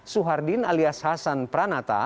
suhardin alias hasan pranata